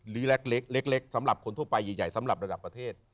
เล็กเล็กสำหรับคนทั่วไปใหญ่สำหรับระดับประเทศ